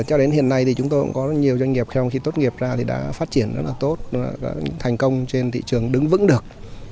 cho đến hiện nay chúng tôi cũng có nhiều doanh nghiệp khi tốt nghiệp ra đã phát triển rất là tốt thành công trên thị trường đứng vững được